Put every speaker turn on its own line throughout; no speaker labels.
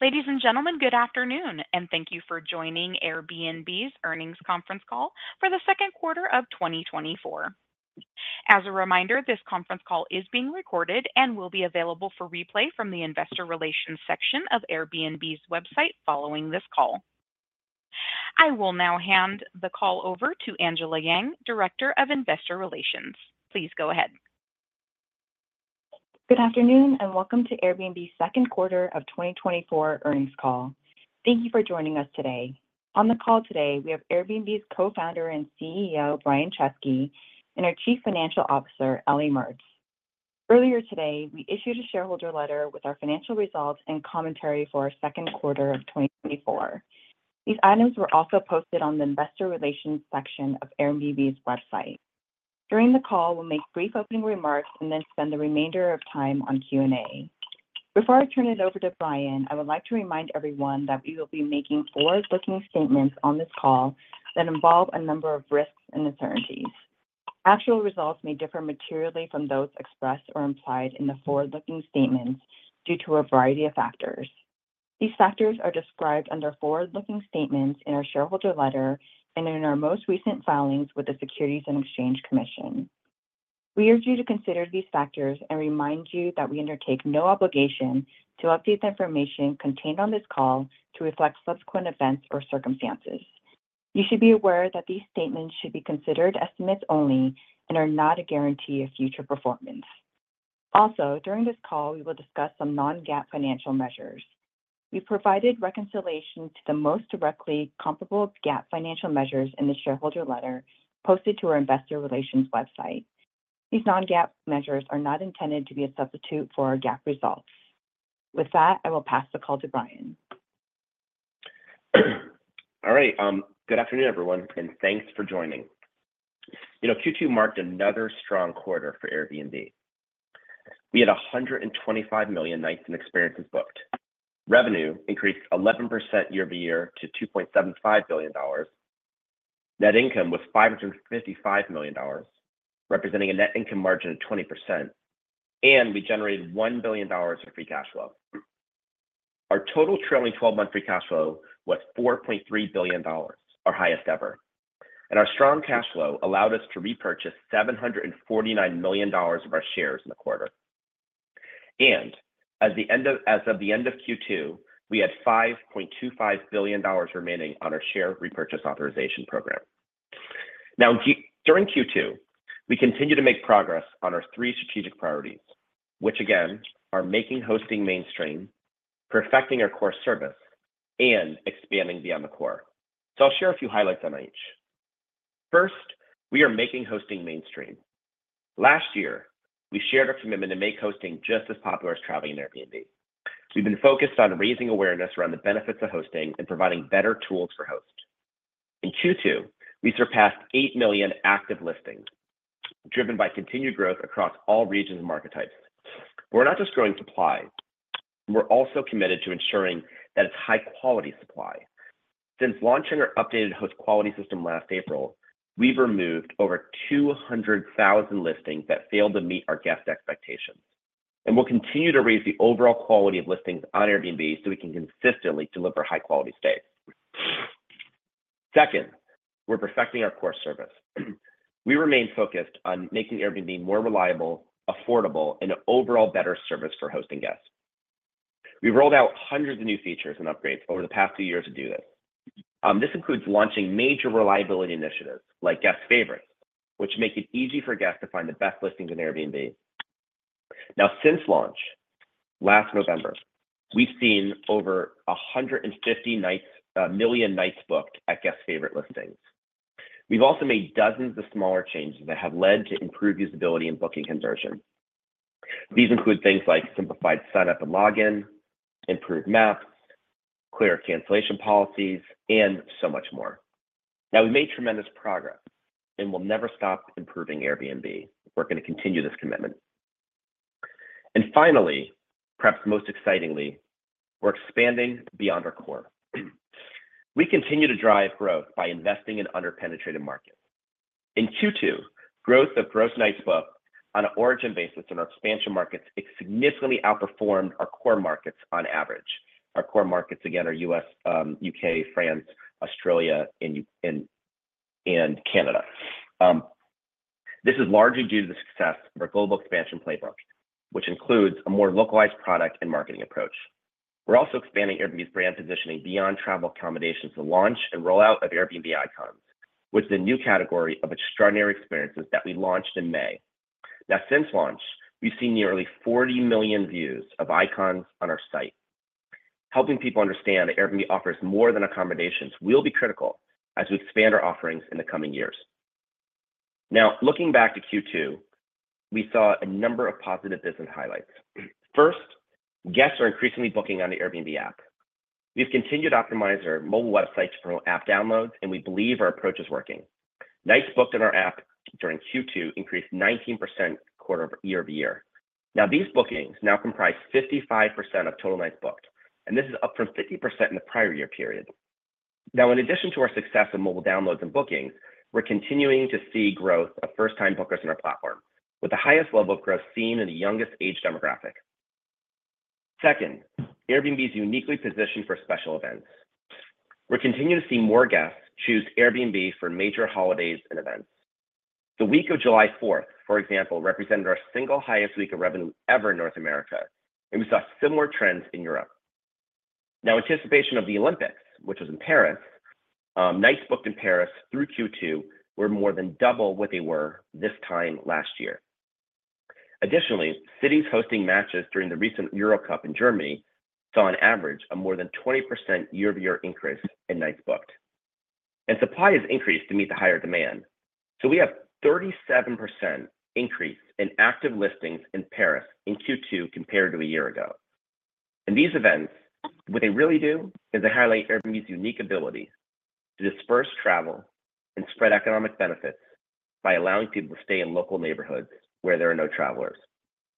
Ladies and gentlemen, good afternoon, and thank you for joining Airbnb's earnings conference call for the second quarter of 2024. As a reminder, this conference call is being recorded and will be available for replay from the Investor Relations section of Airbnb's website following this call. I will now hand the call over to Angela Yang, Director of Investor Relations. Please go ahead.
Good afternoon and welcome to Airbnb's second quarter of 2024 earnings call. Thank you for joining us today. On the call today, we have Airbnb's Co-founder and CEO, Brian Chesky, and our Chief Financial Officer, Ellie Mertz. Earlier today, we issued a shareholder letter with our financial results and commentary for our second quarter of 2024. These items were also posted on the Investor Relations section of Airbnb's website. During the call, we'll make brief opening remarks and then spend the remainder of time on Q&A. Before I turn it over to Brian, I would like to remind everyone that we will be making forward-looking statements on this call that involve a number of risks and uncertainties. Actual results may differ materially from those expressed or implied in the forward-looking statements due to a variety of factors. These factors are described under forward-looking statements in our shareholder letter and in our most recent filings with the Securities and Exchange Commission. We are due to consider these factors and remind you that we undertake no obligation to update the information contained on this call to reflect subsequent events or circumstances. You should be aware that these statements should be considered estimates only and are not a guarantee of future performance. Also, during this call, we will discuss some non-GAAP financial measures. We've provided reconciliation to the most directly comparable GAAP financial measures in the shareholder letter posted to our Investor Relations website. These non-GAAP measures are not intended to be a substitute for our GAAP results. With that, I will pass the call to Brian.
All right. Good afternoon, everyone, and thanks for joining. You know, Q2 marked another strong quarter for Airbnb. We had 125 million nights and Experiences booked. Revenue increased 11% year-over-year to $2.75 billion. Net income was $555 million, representing a net income margin of 20%, and we generated $1 billion in free cash flow. Our total trailing 12-month free cash flow was $4.3 billion, our highest ever. And our strong cash flow allowed us to repurchase $749 million of our shares in the quarter. And as of the end of Q2, we had $5.25 billion remaining on our share repurchase authorization program. Now, during Q2, we continue to make progress on our three strategic priorities, which again are making hosting mainstream, perfecting our core service, and expanding beyond the core. So I'll share a few highlights on each. First, we are making hosting mainstream. Last year, we shared our commitment to make hosting just as popular as traveling in Airbnb. We've been focused on raising awareness around the benefits of hosting and providing better tools for hosts. In Q2, we surpassed 8 million active listings, driven by continued growth across all regions and market types. We're not just growing supply. We're also committed to ensuring that it's high-quality supply. Since launching our updated host quality system last April, we've removed over 200,000 listings that failed to meet our guest expectations. We'll continue to raise the overall quality of listings on Airbnb so we can consistently deliver high-quality stays. Second, we're perfecting our core service. We remain focused on making Airbnb more reliable, affordable, and overall better service for hosting guests. We've rolled out hundreds of new features and upgrades over the past few years to do this. This includes launching major reliability initiatives like Guest Favorites, which make it easy for guests to find the best listings on Airbnb. Now, since launch last November, we've seen over 150 million nights booked at Guest Favorites listings. We've also made dozens of smaller changes that have led to improved usability and booking conversion. These include things like simplified sign-up and login, improved maps, clearer cancellation policies, and so much more. Now, we've made tremendous progress and will never stop improving Airbnb. We're going to continue this commitment. And finally, perhaps most excitingly, we're expanding beyond our core. We continue to drive growth by investing in under-penetrated markets. In Q2, growth of gross nights booked on an origin basis in our expansion markets significantly outperformed our core markets on average. Our core markets, again, are U.K., France, Australia, and Canada. This is largely due to the success of our global expansion playbook, which includes a more localized product and marketing approach. We're also expanding Airbnb's brand positioning beyond travel accommodation for launch and rollout of Airbnb Icons, which is a new category of extraordinary Experiences that we launched in May. Now, since launch, we've seen nearly 40 million views of Icons on our site. Helping people understand that Airbnb offers more than accommodations will be critical as we expand our offerings in the coming years. Now, looking back to Q2, we saw a number of positive business highlights. First, guests are increasingly booking on the Airbnb app. We've continued to optimize our mobile website for app downloads, and we believe our approach is working. Nights booked on our app during Q2 increased 19% year-over-year. Now, these bookings now comprise 55% of total nights booked, and this is up from 50% in the prior year period. Now, in addition to our success in mobile downloads and bookings, we're continuing to see growth of first-time bookers on our platform, with the highest level of growth seen in the youngest age demographic. Second, Airbnb is uniquely positioned for special events. We're continuing to see more guests choose Airbnb for major holidays and events. The week of July 4th, for example, represented our single highest week of revenue ever in North America, and we saw similar trends in Europe. Now, in anticipation of the Olympics, which was in Paris, nights booked in Paris through Q2 were more than double what they were this time last year. Additionally, cities hosting matches during the recent Euro Cup in Germany saw, on average, a more than 20% year-over-year increase in nights booked. Supply has increased to meet the higher demand. We have a 37% increase in active listings in Paris in Q2 compared to a year ago. These events, what they really do is highlight Airbnb's unique ability to disperse travel and spread economic benefits by allowing people to stay in local neighborhoods where there are no travelers,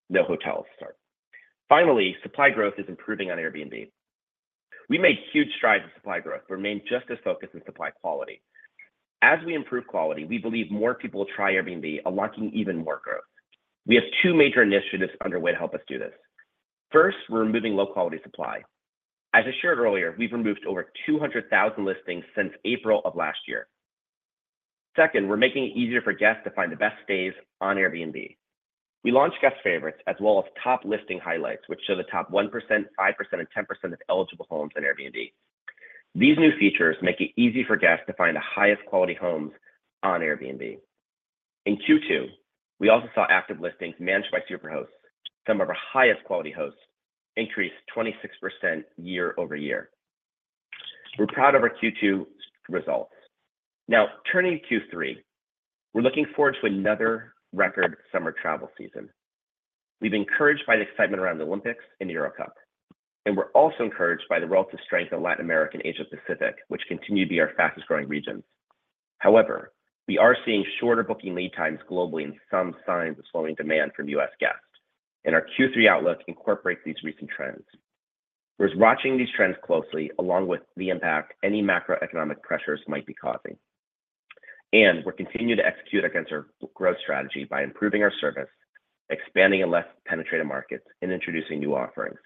no hotels. Finally, supply growth is improving on Airbnb. We made huge strides with supply growth, but remain just as focused on supply quality. As we improve quality, we believe more people will try Airbnb, unlocking even more growth. We have two major initiatives underway to help us do this. First, we're removing low-quality supply. As I shared earlier, we've removed over 200,000 listings since April of last year. Second, we're making it easier for guests to find the best stays on Airbnb. We launched Guest Favorites as well as top listing highlights, which show the top 1%, 5%, and 10% of eligible homes on Airbnb. These new features make it easy for guests to find the highest quality homes on Airbnb. In Q2, we also saw active listings managed by Superhosts, some of our highest quality hosts, increase 26% year-over-year. We're proud of our Q2 results. Now, turning to Q3, we're looking forward to another record summer travel season. We've been encouraged by the excitement around the Olympics and Euro Cup, and we're also encouraged by the relative strength of Latin America and Asia-Pacific, which continue to be our fastest-growing region. However, we are seeing shorter booking lead times globally and some signs of slowing demand from U.S. guests, and our Q3 outlook incorporates these recent trends. We're watching these trends closely along with the impact any macroeconomic pressures might be causing. We're continuing to execute against our growth strategy by improving our service, expanding in less penetrated markets, and introducing new offerings.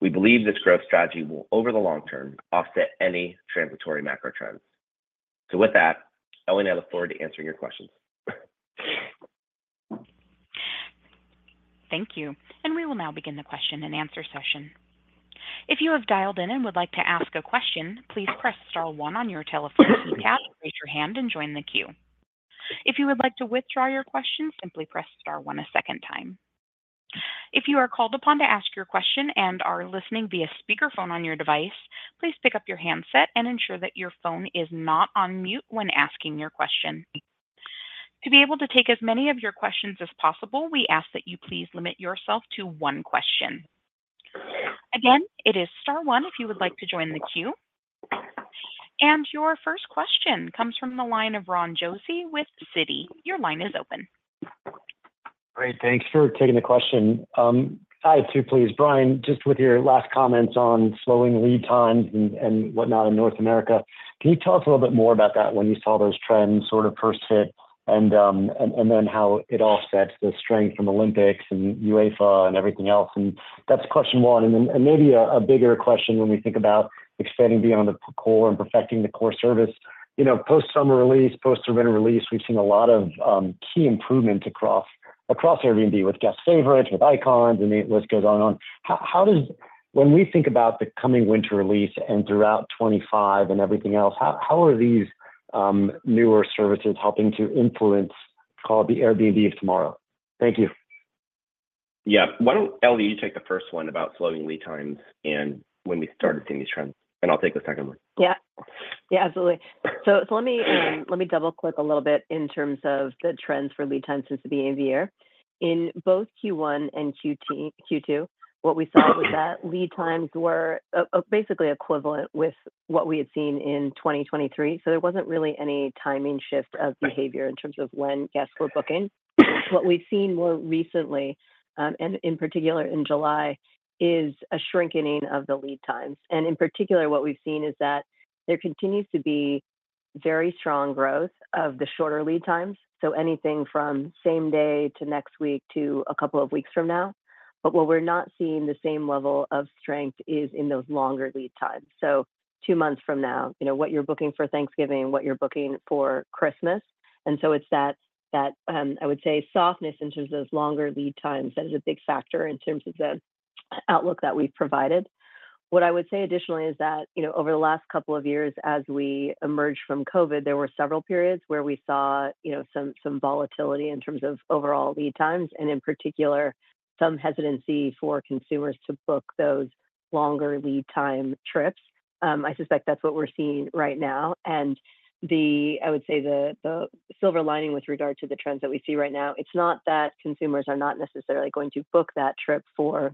We believe this growth strategy will, over the long term, offset any transitory macro trends. With that, I want to look forward to answering your questions.
Thank you. We will now begin the question and answer session. If you have dialed in and would like to ask a question, please press star one on your telephone keypad, raise your hand, and join the queue. If you would like to withdraw your question, simply press star one a second time. If you are called upon to ask your question and are listening via speakerphone on your device, please pick up your handset and ensure that your phone is not on mute when asking your question. To be able to take as many of your questions as possible, we ask that you please limit yourself to one question. Again, it is star one if you would like to join the queue. Your first question comes from the line of Ron Josey with Citi. Your line is open.
Great. Thanks for taking the question. Hi, too, please, Brian, just with your last comments on slowing lead times and whatnot in North America. Can you tell us a little bit more about that, when you saw those trends sort of first hit and then how it offset the strength from Olympics and UEFA and everything else? And that's question one. And maybe a bigger question when we think about extending beyond the core and perfecting the core service. You know, post-Summer Release, post-Summer Release, we've seen a lot of key improvements across Airbnb with Guest Favorites, with Icons, and the list goes on and on. When we think about the coming Winter Release and throughout 2025 and everything else, how are these newer services helping to influence, call it the Airbnb of tomorrow? Thank you.
Yeah. Why don't Ellie, you take the first one about slowing lead times and when we started seeing these trends? And I'll take the second one.
Yeah. Yeah, absolutely. So let me double-click a little bit in terms of the trends for lead times since the beginning of the year. In both Q1 and Q2, what we saw was that lead times were basically equivalent with what we had seen in 2023. So there wasn't really any timing shift of behavior in terms of when guests were booking. What we've seen more recently, and in particular in July, is a shrinking of the lead times. And in particular, what we've seen is that there continues to be very strong growth of the shorter lead times. So anything from same day to next week to a couple of weeks from now. But what we're not seeing the same level of strength is in those longer lead times. So two months from now, you know what you're booking for Thanksgiving, what you're booking for Christmas. And so it's that, I would say, softness in terms of those longer lead times that is a big factor in terms of the outlook that we've provided. What I would say additionally is that, you know, over the last couple of years, as we emerged from COVID, there were several periods where we saw, you know, some volatility in terms of overall lead times and in particular, some hesitancy for consumers to book those longer lead time trips. I suspect that's what we're seeing right now. And I would say the silver lining with regard to the trends that we see right now, it's not that consumers are not necessarily going to book that trip for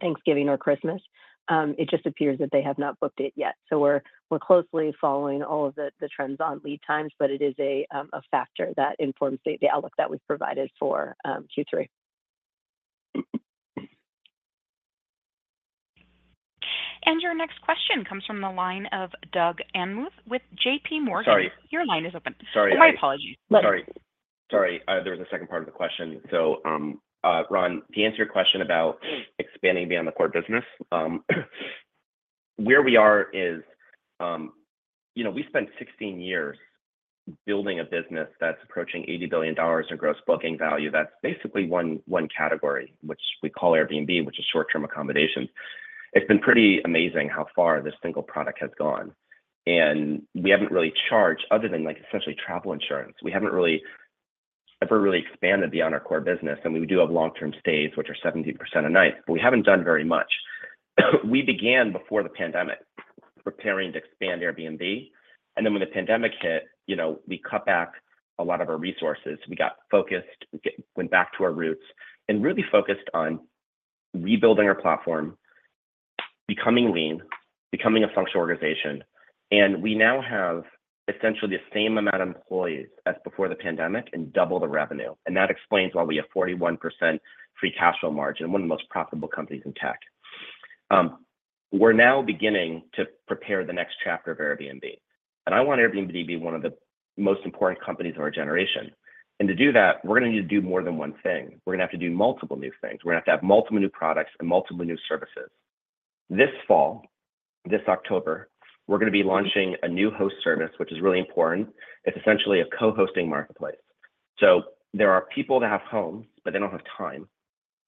Thanksgiving or Christmas. It just appears that they have not booked it yet. We're closely following all of the trends on lead times, but it is a factor that informs the outlook that we've provided for Q3.
Your next question comes from the line of Doug Anmuth with J.P. Morgan.
Sorry.
Your line is open.
Sorry.
My apologies.
Sorry. Sorry. There was a second part of the question. So, Ron, to answer your question about expanding beyond the core business, where we are is, you know, we spent 16 years building a business that's approaching $80 billion in gross booking value. That's basically one category, which we call Airbnb, which is short-term accommodation. It's been pretty amazing how far this single product has gone. And we haven't really charged other than like essentially travel insurance. We haven't really ever really expanded beyond our core business. And we do have long-term stays, which are 70% a night. But we haven't done very much. We began before the pandemic preparing to expand Airbnb. And then when the pandemic hit, you know, we cut back a lot of our resources. We got focused, went back to our roots, and really focused on rebuilding our platform, becoming lean, becoming a functional organization. We now have essentially the same amount of employees as before the pandemic and double the revenue. That explains why we have 41% free cash flow margin, one of the most profitable companies in tech. We're now beginning to prepare the next chapter of Airbnb. I want Airbnb to be one of the most important companies of our generation. To do that, we're going to need to do more than one thing. We're going to have to do multiple new things. We're going to have to have multiple new products and multiple new services. This fall, this October, we're going to be launching a new host service, which is really important. It's essentially a co-hosting marketplace. So there are people that have home, but they don't have time.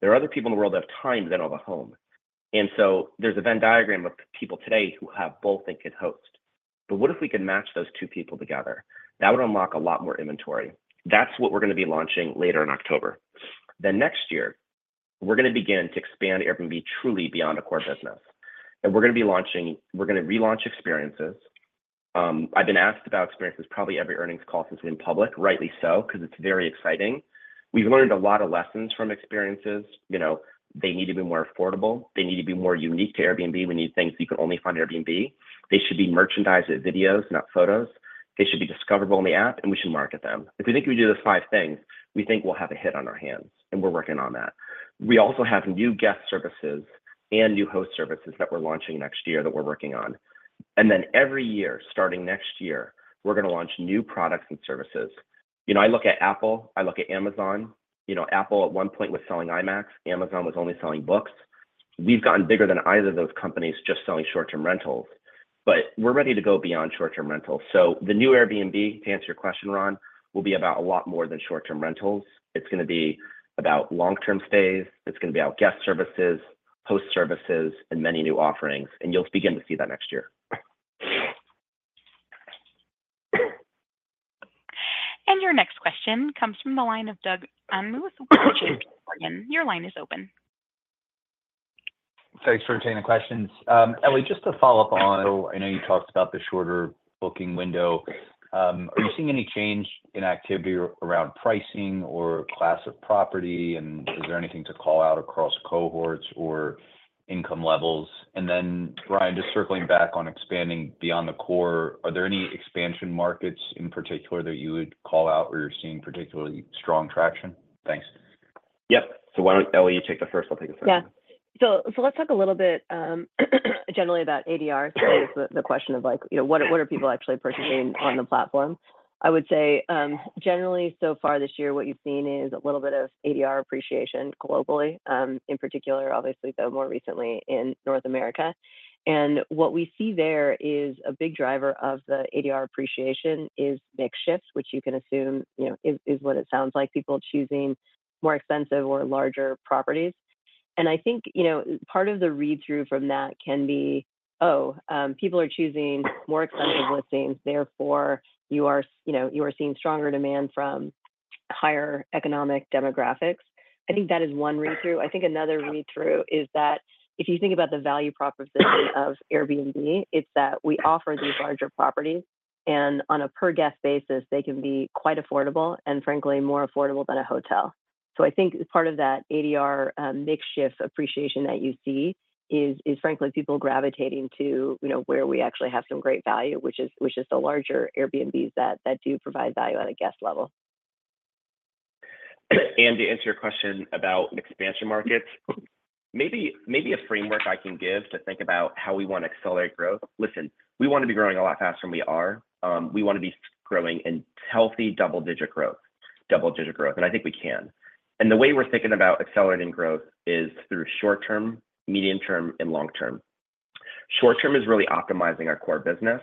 There are other people in the world that have time, but they don't have a home. And so there's a Venn diagram of people today who have both and could host. But what if we could match those two people together? That would unlock a lot more inventory. That's what we're going to be launching later in October. Then next year, we're going to begin to expand Airbnb truly beyond the core business. And we're going to be launching, we're going to relaunch Experiences. I've been asked about Experiences probably every earnings call since we've been public, rightly so, because it's very exciting. We've learned a lot of lessons from Experiences. You know, they need to be more affordable. They need to be more unique to Airbnb. We need things you can only find at Airbnb. They should be merchandise videos, not photos. They should be discoverable on the app, and we should market them. If we think we do those five things, we think we'll have a hit on our hands, and we're working on that. We also have new guest services and new host services that we're launching next year that we're working on. Then every year, starting next year, we're going to launch new products and services. You know, I look at Apple. I look at Amazon. You know, Apple at one point was selling iMacs. Amazon was only selling books. We've gotten bigger than either of those companies just selling short-term rentals. We're ready to go beyond short-term rentals. The new Airbnb, to answer your question, Ron, will be about a lot more than short-term rentals. It's going to be about long-term stays. It's going to be about guest services, host services, and many new offerings. You'll begin to see that next year.
Your next question comes from the line of Doug Anmuth with J.P. Morgan. Your line is open.
Thanks for taking the questions. Ellie, just to follow up on, I know you talked about the shorter booking window. Are you seeing any change in activity around pricing or class of property? And is there anything to call out across cohorts or income levels? And then, Brian, just circling back on expanding beyond the core, are there any expansion markets in particular that you would call out or you're seeing particularly strong traction? Thanks.
Yep. So why don't Ellie, you take the first. I'll take the second.
Yeah. So let's talk a little bit generally about ADR, the question of like, you know, what are people actually purchasing on the platform. I would say generally so far this year, what you've seen is a little bit of ADR appreciation globally, in particular, obviously, though more recently in North America. And what we see there is a big driver of the ADR appreciation is mix shifts, which you can assume, you know, is what it sounds like, people choosing more expensive or larger properties. And I think, you know, part of the read-through from that can be, oh, people are choosing more expensive listings. Therefore, you are, you know, you are seeing stronger demand from higher economic demographics. I think that is one read-through. I think another read-through is that if you think about the value prop of Airbnb, it's that we offer these larger properties, and on a per-guest basis, they can be quite affordable and, frankly, more affordable than a hotel. So I think part of that ADR mix shift appreciation that you see is, frankly, people gravitating to, you know, where we actually have some great value, which is the larger Airbnbs that do provide value at a guest level.
To answer your question about expansion markets, maybe a framework I can give to think about how we want to accelerate growth. Listen, we want to be growing a lot faster than we are. We want to be growing in healthy double-digit growth, double-digit growth. I think we can. The way we're thinking about accelerating growth is through short-term, medium-term, and long-term. Short-term is really optimizing our core business.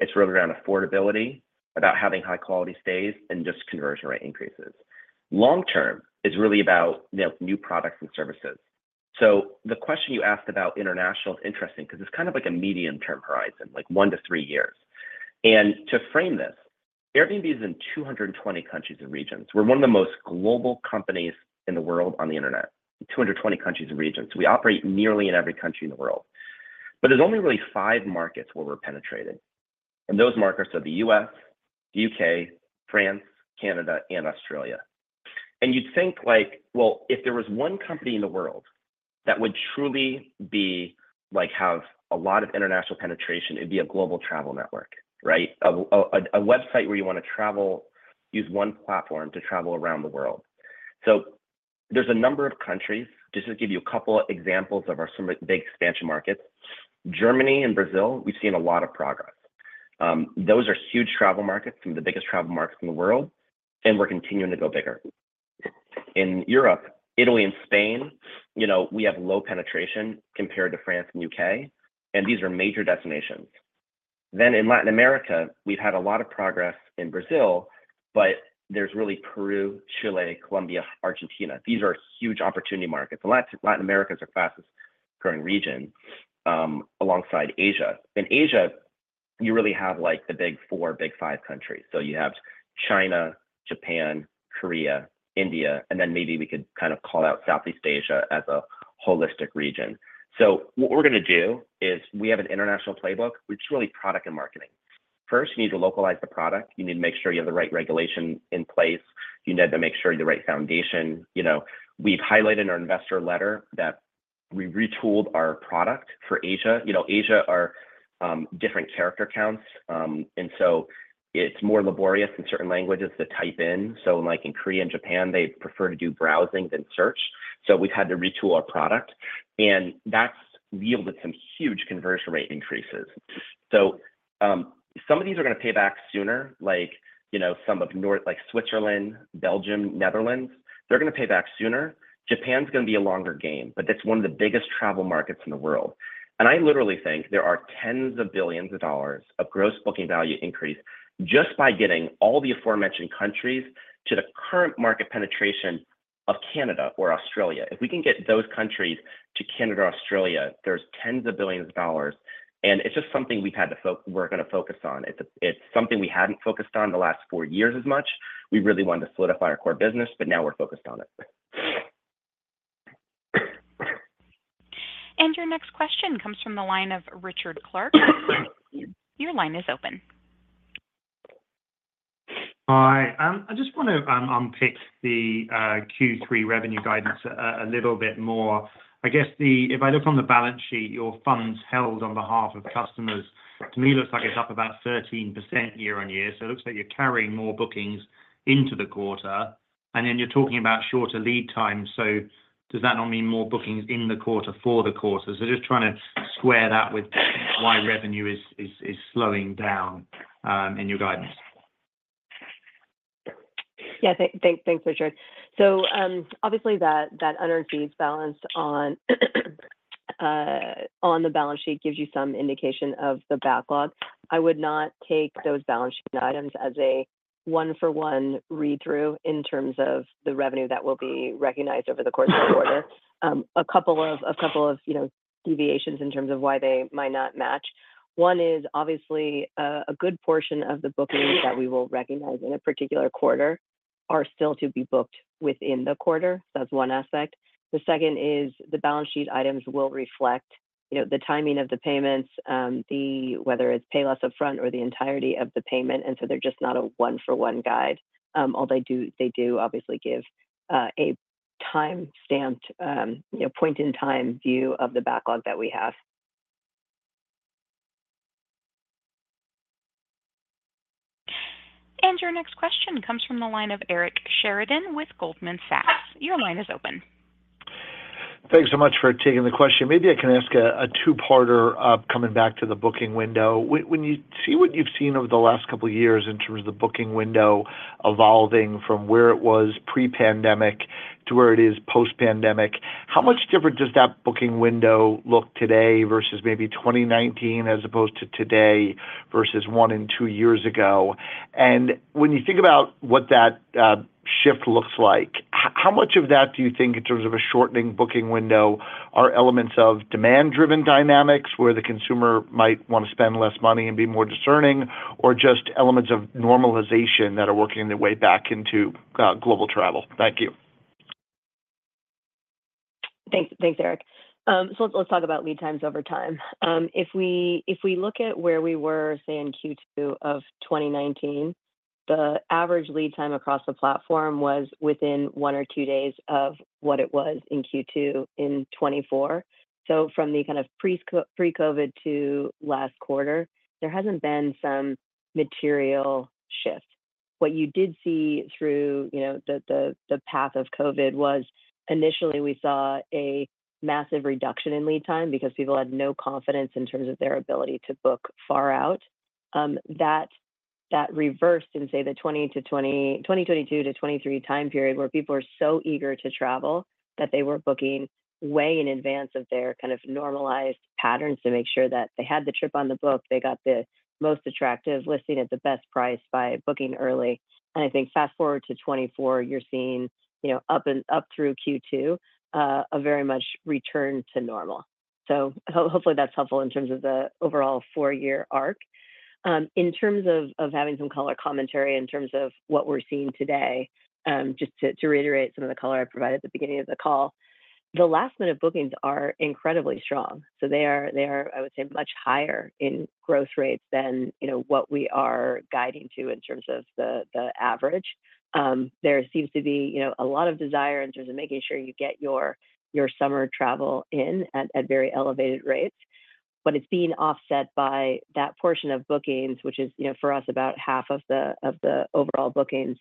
It's really around affordability, about having high-quality stays and just conversion rate increases. Long-term is really about new products and services. The question you asked about international is interesting because it's kind of like a medium-term horizon, like 1-3 years. To frame this, Airbnb is in 220 countries and regions. We're one of the most global companies in the world on the internet, 220 countries and regions. We operate nearly in every country in the world. But there's only really five markets where we're penetrated. And those markets are the U.S., the U.K., France, Canada, and Australia. And you'd think like, well, if there was one company in the world that would truly be like have a lot of international penetration, it'd be a global travel network, right? A website where you want to travel, use one platform to travel around the world. So there's a number of countries. Just to give you a couple of examples of our big expansion markets, Germany and Brazil, we've seen a lot of progress. Those are huge travel markets, some of the biggest travel markets in the world, and we're continuing to go bigger. In Europe, Italy, and Spain, you know, we have low penetration compared to France and the U.K., and these are major destinations. Then in Latin America, we've had a lot of progress in Brazil, but there's really Peru, Chile, Colombia, Argentina. These are huge opportunity markets. Latin America is our fastest growing region alongside Asia. In Asia, you really have like the big four, big five countries. So you have China, Japan, Korea, India, and then maybe we could kind of call out Southeast Asia as a holistic region. So what we're going to do is we have an international playbook, which is really product and marketing. First, you need to localize the product. You need to make sure you have the right regulation in place. You need to make sure you have the right foundation. You know, we've highlighted in our investor letter that we retooled our product for Asia. You know, Asia are different character counts. And so it's more laborious in certain languages to type in. So like in Korea and Japan, they prefer to do browsing than search. So we've had to retool our product. And that's yielded some huge conversion rate increases. So some of these are going to pay back sooner, like, you know, some of like Switzerland, Belgium, Netherlands, they're going to pay back sooner. Japan's going to be a longer gain, but that's one of the biggest travel markets in the world. And I literally think there are $10s of billions of gross booking value increase just by getting all the aforementioned countries to the current market penetration of Canada or Australia. If we can get those countries to Canada or Australia, there's $10s of billions. And it's just something we've had to focus, we're going to focus on. It's something we hadn't focused on the last four years as much. We really wanted to solidify our core business, but now we're focused on it.
Your next question comes from the line of Richard Clarke. Your line is open.
Hi. I just want to unpick the Q3 revenue guidance a little bit more. I guess if I look on the balance sheet, your funds held on behalf of customers, to me, it looks like it's up about 13% year-over-year. So it looks like you're carrying more bookings into the quarter. And then you're talking about shorter lead time. So does that not mean more bookings in the quarter for the quarter? So just trying to square that with why revenue is slowing down in your guidance.
Yeah, thanks, Richard. So obviously that unearned fees balance on the balance sheet gives you some indication of the backlog. I would not take those balance sheet items as a one-for-one read-through in terms of the revenue that will be recognized over the course of the quarter. A couple of, you know, deviations in terms of why they might not match. One is obviously a good portion of the bookings that we will recognize in a particular quarter are still to be booked within the quarter. That's one aspect. The second is the balance sheet items will reflect, you know, the timing of the payments, whether it's pay less upfront or the entirety of the payment. And so they're just not a one-for-one guide. All they do, they do obviously give a time-stamped, you know, point-in-time view of the backlog that we have.
Your next question comes from the line of Eric Sheridan with Goldman Sachs. Your line is open.
Thanks so much for taking the question. Maybe I can ask a two-parter coming back to the booking window. When you see what you've seen over the last couple of years in terms of the booking window evolving from where it was pre-pandemic to where it is post-pandemic, how much different does that booking window look today versus maybe 2019 as opposed to today versus one and two years ago? And when you think about what that shift looks like, how much of that do you think in terms of a shortening booking window are elements of demand-driven dynamics where the consumer might want to spend less money and be more discerning, or just elements of normalization that are working their way back into global travel? Thank you.
Thanks, Eric. So let's talk about lead times over time. If we look at where we were, say, in Q2 of 2019, the average lead time across the platform was within one or two days of what it was in Q2 in 2024. So from the kind of pre-COVID to last quarter, there hasn't been some material shift. What you did see through, you know, the path of COVID was initially we saw a massive reduction in lead time because people had no confidence in terms of their ability to book far out. That reversed in, say, the 2022 to 2023 time period where people were so eager to travel that they were booking way in advance of their kind of normalized patterns to make sure that they had the trip on the book, they got the most attractive listing at the best price by booking early. I think fast forward to 2024, you're seeing, you know, up through Q2 a very much return to normal. Hopefully that's helpful in terms of the overall four-year arc. In terms of having some color commentary in terms of what we're seeing today, just to reiterate some of the color I provided at the beginning of the call, the last-minute bookings are incredibly strong. So they are, I would say, much higher in growth rate than, you know, what we are guiding to in terms of the average. There seems to be, you know, a lot of desire in terms of making sure you get your summer travel in at very elevated rates. But it's being offset by that portion of bookings, which is, you know, for us about half of the overall bookings,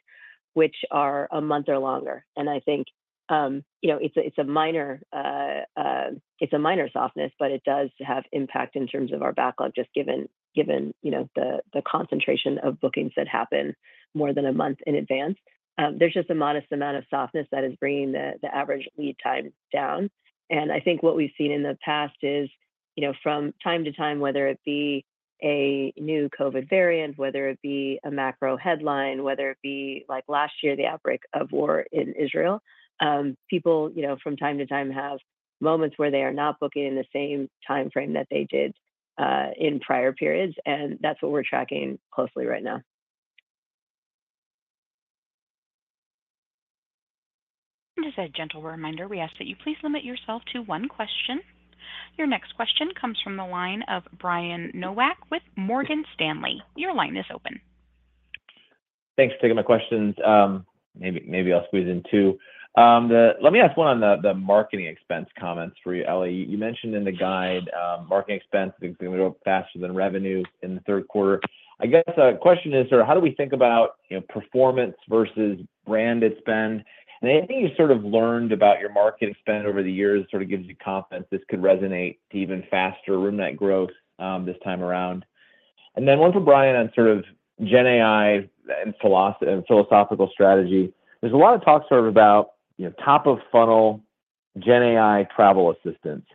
which are a month or longer. And I think, you know, it's a minor, it's a minor softness, but it does have impact in terms of our backlog just given, you know, the concentration of bookings that happen more than a month in advance. There's just a modest amount of softness that is bringing the average lead time down. And I think what we've seen in the past is, you know, from time to time, whether it be a new COVID variant, whether it be a macro headline, whether it be like last year, the outbreak of war in Israel, people, you know, from time to time have moments where they are not booking in the same timeframe that they did in prior periods. And that's what we're tracking closely right now.
Just a gentle reminder, we ask that you please limit yourself to one question. Your next question comes from the line of Brian Nowak with Morgan Stanley. Your line is open.
Thanks for taking my questions. Maybe I'll squeeze in two. Let me ask one on the marketing expense comments for you, Ellie. You mentioned in the guide marketing expense being faster than revenue in the third quarter. I guess the question is sort of how do we think about, you know, performance versus branded spend? And anything you sort of learned about your marketing spend over the years sort of gives you confidence this could resonate to even faster room net growth this time around? And then one for Brian on sort of GenAI and philosophical strategy. There's a lot of talk sort of about, you know, top-of-funnel GenAI travel assistance.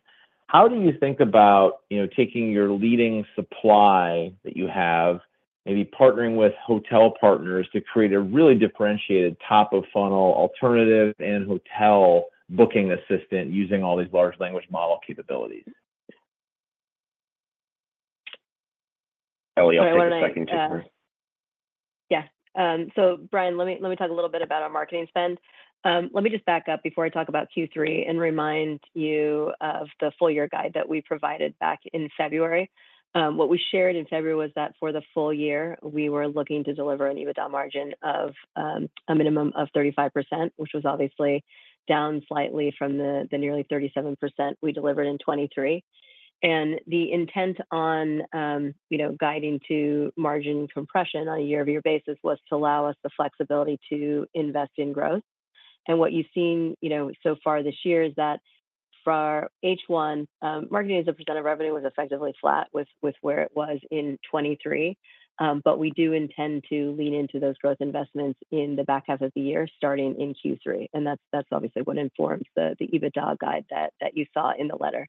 How do you think about, you know, taking your leading supply that you have, maybe partnering with hotel partners to create a really differentiated top-of-funnel alternative and hotel booking assistant using all these large language model capabilities?
Ellie, I'll take a second to answer.
Yeah. So Brian, let me talk a little bit about our marketing spend. Let me just back up before I talk about Q3 and remind you of the full-year guide that we provided back in February. What we shared in February was that for the full year, we were looking to deliver an EBITDA margin of a minimum of 35%, which was obviously down slightly from the nearly 37% we delivered in 2023. And the intent on, you know, guiding to margin compression on a year-over-year basis was to allow us the flexibility to invest in growth. And what you've seen, you know, so far this year is that for our H1, marketing as a % of revenue was effectively flat with where it was in 2023. But we do intend to lean into those growth investments in the back half of the year starting in Q3. That's obviously what informs the EBITDA guide that you saw in the letter.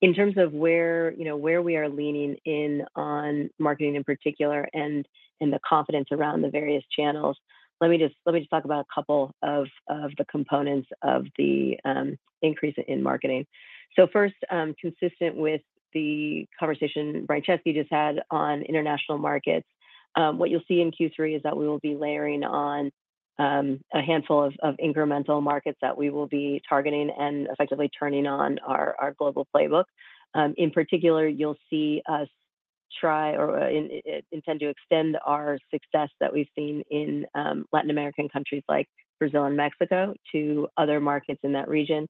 In terms of where, you know, where we are leaning in on marketing in particular and the confidence around the various channels, let me just talk about a couple of the components of the increase in marketing. So first, consistent with the conversation Brian Chesky just had on international markets, what you'll see in Q3 is that we will be layering on a handful of incremental markets that we will be targeting and effectively turning on our global playbook. In particular, you'll see us try or intend to extend our success that we've seen in Latin American countries like Brazil and Mexico to other markets in that region,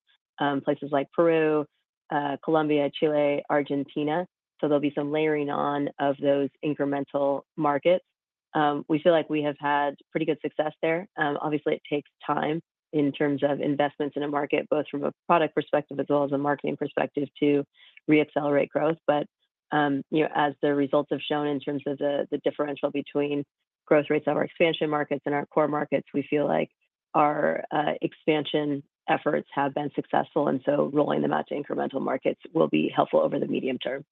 places like Peru, Colombia, Chile, Argentina. So there'll be some layering on of those incremental markets. We feel like we have had pretty good success there. Obviously, it takes time in terms of investments in a market, both from a product perspective as well as a marketing perspective to re-accelerate growth. But, you know, as the results have shown in terms of the differential between growth rates on our expansion markets and our core markets, we feel like our expansion efforts have been successful. And so rolling them out to incremental markets will be helpful over the medium term.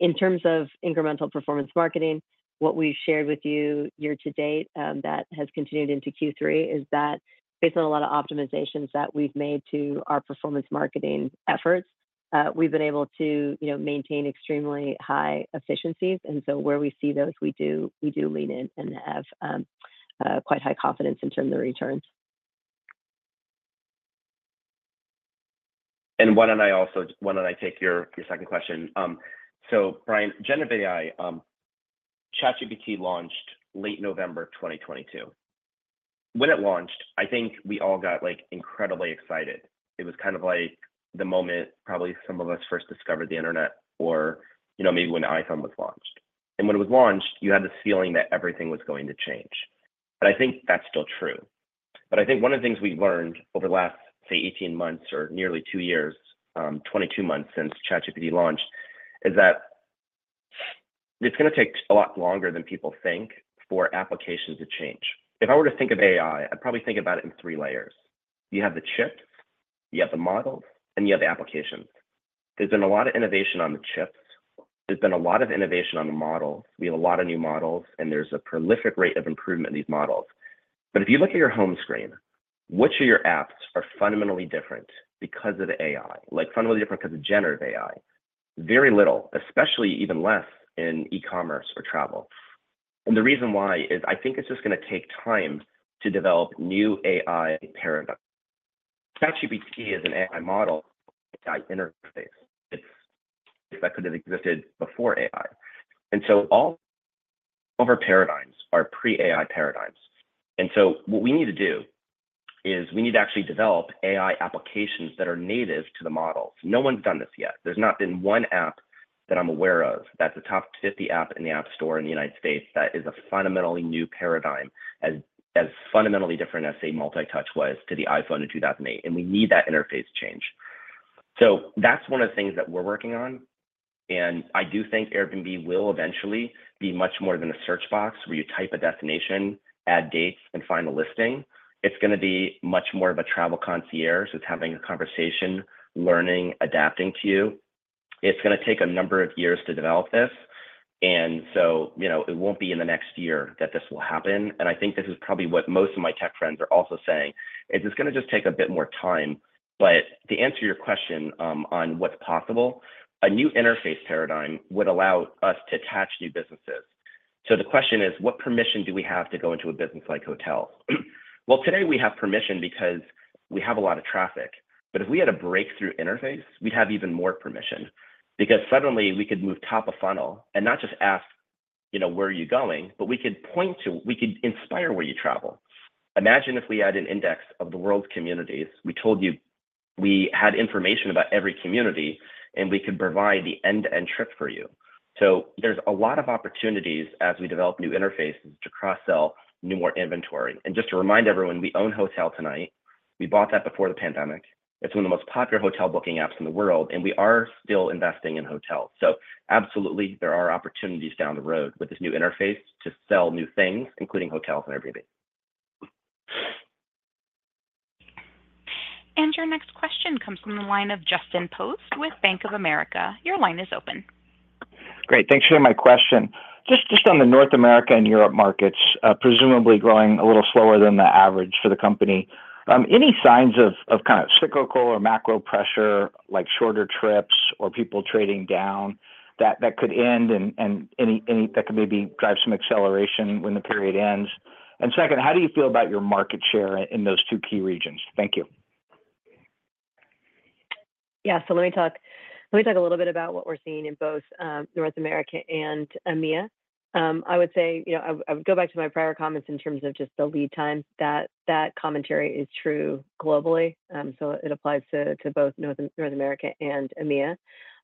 In terms of incremental performance marketing, what we've shared with you year to date that has continued into Q3 is that based on a lot of optimizations that we've made to our performance marketing efforts, we've been able to, you know, maintain extremely high efficiencies. And so where we see those, we do lean in and have quite high confidence in terms of returns.
And why don't I also take your second question? So Brian, GenAI, ChatGPT launched late November 2022. When it launched, I think we all got like incredibly excited. It was kind of like the moment probably some of us first discovered the internet or, you know, maybe when the iPhone was launched. And when it was launched, you had this feeling that everything was going to change. But I think that's still true. But I think one of the things we've learned over the last, say, 18 months or nearly two years, 22 months since ChatGPT launched, is that it's going to take a lot longer than people think for applications to change. If I were to think of AI, I'd probably think about it in three layers. You have the chips, you have the models, and you have the applications. There's been a lot of innovation on the chips. There's been a lot of innovation on the models. We have a lot of new models, and there's a prolific rate of improvement in these models. But if you look at your home screen, which of your apps are fundamentally different because of AI? Like fundamentally different because of generative AI? Very little, especially even less in e-commerce or travel. And the reason why is I think it's just going to take time to develop new AI paradigms. ChatGPT is an AI model AI interface. It's that could have existed before AI. And so all of our paradigms are pre-AI paradigms. And so what we need to do is we need to actually develop AI applications that are native to the model. No one's done this yet. There's not been one app that I'm aware of that's a top 50 app in the App Store in the United States that is a fundamentally new paradigm, as fundamentally different as, say, Multi-Touch was to the iPhone in 2008. We need that interface change. So that's one of the things that we're working on. I do think Airbnb will eventually be much more than a search box where you type a destination, add dates, and find a listing. It's going to be much more of a travel concierge that's having a conversation, learning, adapting to you. It's going to take a number of years to develop this. So, you know, it won't be in the next year that this will happen. I think this is probably what most of my tech friends are also saying. It's just going to just take a bit more time. But to answer your question on what's possible, a new interface paradigm would allow us to attach new businesses. So the question is, what permission do we have to go into a business like hotel? Well, today we have permission because we have a lot of traffic. But if we had a breakthrough interface, we'd have even more permission because suddenly we could move top of funnel and not just ask, you know, where are you going, but we could point to, we could inspire where you travel. Imagine if we had an index of the world's communities. We told you we had information about every community and we could provide the end-to-end trip for you. So there's a lot of opportunities as we develop new interfaces to cross-sell new more inventory. And just to remind everyone, we own HotelTonight. We bought that before the pandemic. It's one of the most popular hotel booking apps in the world, and we are still investing in hotels. Absolutely, there are opportunities down the road with this new interface to sell new things, including hotels and Airbnb.
Your next question comes from the line of Justin Post with Bank of America. Your line is open.
Great. Thanks for my question. Just on the North America and Europe markets, presumably growing a little slower than the average for the company. Any signs of kind of cyclical or macro pressure, like shorter trips or people trading down that could end and any that could maybe drive some acceleration when the period ends? And second, how do you feel about your market share in those two key regions? Thank you.
Yeah, so let me talk a little bit about what we're seeing in both North America and EMEA. I would say, you know, I would go back to my prior comments in terms of just the lead time. That commentary is true globally. So it applies to both North America and EMEA.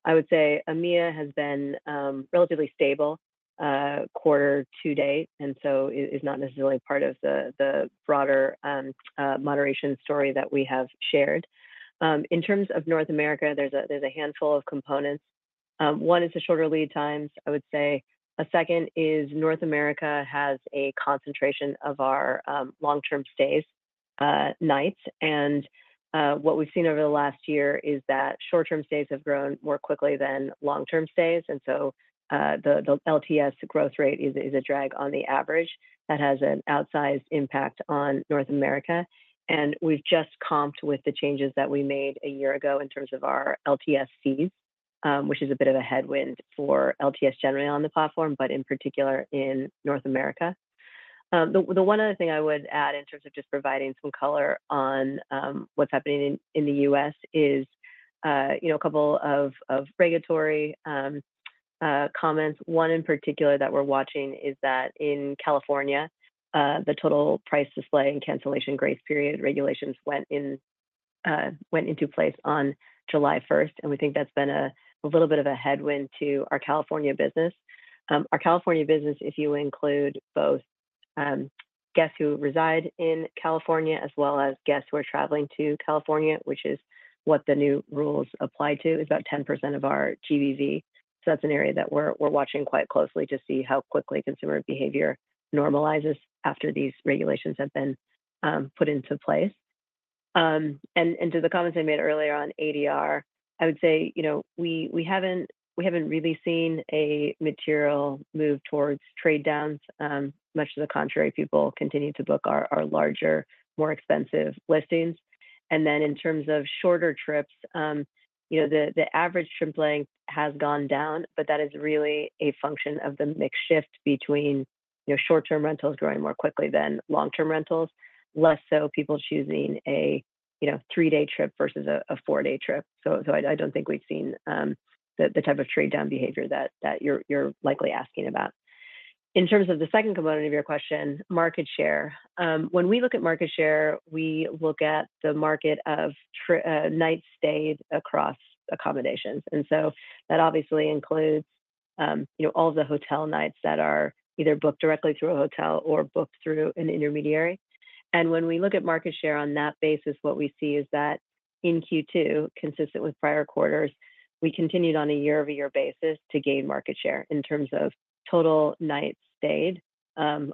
I would say EMEA has been relatively stable quarter to date, and so is not necessarily part of the broader moderation story that we have shared. In terms of North America, there's a handful of components. One is the shorter lead times, I would say. A second is North America has a concentration of our long-term stays, nights. And what we've seen over the last year is that short-term stays have grown more quickly than long-term stays. And so the LTS growth rate is a drag on the average. That has an outsized impact on North America. We've just comped with the changes that we made a year ago in terms of our LTS fees, which is a bit of a headwind for LTS generally on the platform, but in particular in North America. The one other thing I would add in terms of just providing some color on what's happening in the U.S. is, you know, a couple of regulatory comments. One in particular that we're watching is that in California, the total price display and cancellation grace period regulations went into place on July 1st. We think that's been a little bit of a headwind to our California business. Our California business, if you include both guests who reside in California as well as guests who are traveling to California, which is what the new rules apply to, is about 10% of our GBV. That's an area that we're watching quite closely to see how quickly consumer behavior normalizes after these regulations have been put into place. To the comments I made earlier on ADR, I would say, you know, we haven't really seen a material move towards trade downs. Much to the contrary, people continue to book our larger, more expensive listings. Then in terms of shorter trips, you know, the average trip length has gone down, but that is really a function of the mix shift between, you know, short-term rentals growing more quickly than long-term rentals, less so people choosing, you know, three-day trip versus a four-day trip. I don't think we've seen the type of trade down behavior that you're likely asking about. In terms of the second component of your question, market share, when we look at market share, we look at the market of night stays across accommodations. And so that obviously includes, you know, all of the hotel nights that are either booked directly through a hotel or booked through an intermediary. And when we look at market share on that basis, what we see is that in Q2, consistent with prior quarters, we continued on a year-over-year basis to gain market share in terms of total night stayed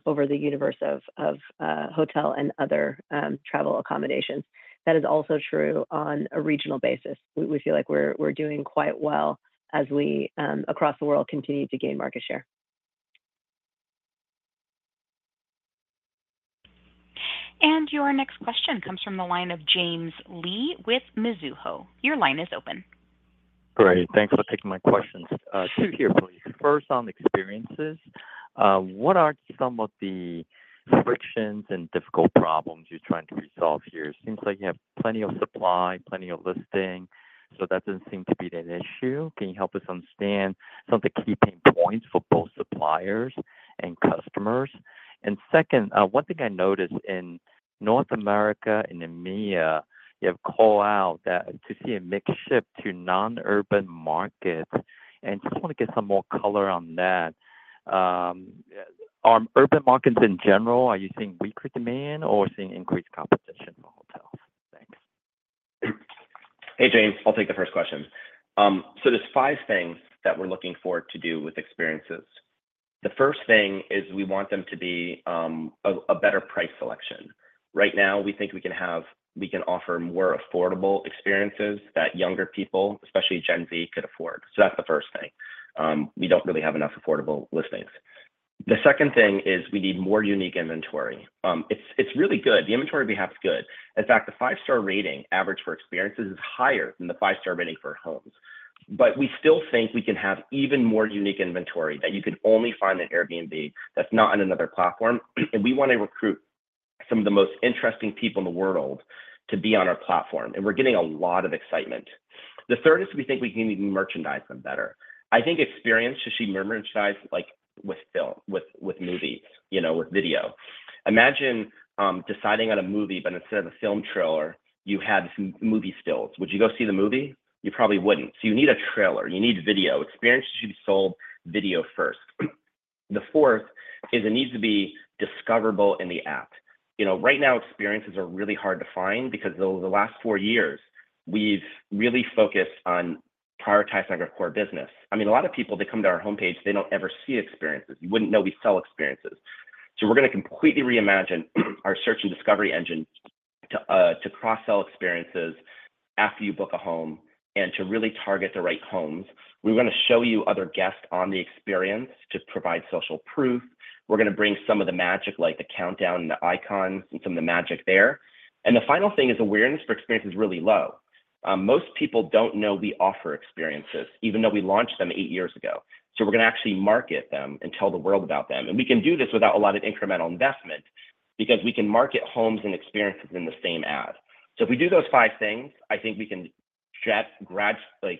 over the universe of hotel and other travel accommodations. That is also true on a regional basis. We feel like we're doing quite well as we across the world continue to gain market share.
Your next question comes from the line of James Lee with Mizuho. Your line is open.
Great. Thanks for taking my questions. Two here, please. First, on Experiences, what are some of the frictions and difficult problems you're trying to resolve here? It seems like you have plenty of supply, plenty of listing, so that doesn't seem to be an issue. Can you help us understand some of the key pain points for both suppliers and customers? And second, one thing I noticed in North America and EMEA, you called out that we're seeing a mix shift to non-urban markets. And I just want to get some more color on that. Are urban markets in general, are you seeing weaker demand or seeing increased competition for hotels? Thanks.
Hey, James, I'll take the first question. So there's 5 things that we're looking forward to do with Experiences. The first thing is we want them to be a better price selection. Right now, we think we can offer more affordable Experiences that younger people, especially Gen Z, could afford. So that's the first thing. We don't really have enough affordable listings. The second thing is we need more unique inventory. It's really good. The inventory we have is good. In fact, the 5-star rating average for Experiences is higher than the 5-star rating for homes. But we still think we can have even more unique inventory that you could only find at Airbnb. That's not on another platform. And we want to recruit some of the most interesting people in the world to be on our platform. And we're getting a lot of excitement. The third is we think we can even merchandise them better. I think experience should be merchandised like with film, with movie, you know, with video. Imagine deciding on a movie, but instead of a film trailer, you have some movie stills. Would you go see the movie? You probably wouldn't. So you need a trailer. You need video. Experience should be sold video first. The fourth is it needs to be discoverable in the app. You know, right now, Experiences are really hard to find because over the last four years, we've really focused on prioritizing our core business. I mean, a lot of people, they come to our homepage, they don't ever see Experiences. Wouldn't know we sell Experiences. So we're going to completely reimagine our search and discovery engine to cross-sell Experiences after you book a home and to really target the right homes. We're going to show you other guests on the Experiences to provide social proof. We're going to bring some of the magic, like the countdown and the icon and some of the magic there. And the final thing is awareness for Experiences is really low. Most people don't know we offer Experiences, even though we launched them eight years ago. So we're going to actually market them and tell the world about them. And we can do this without a lot of incremental investment because we can market homes and Experiences in the same ad. So if we do those five things, I think we can